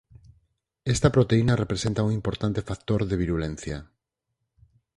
Esta proteína representa un importante factor de virulencia.